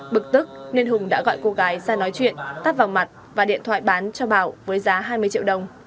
bực tức nên hùng đã gọi cô gái ra nói chuyện tắt vào mặt và điện thoại bán cho bảo với giá hai mươi triệu đồng